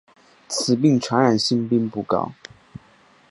此病传染性并不高。